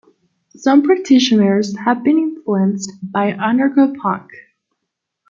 Some practioners have been influenced by anarcho-punk.